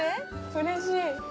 うれしい。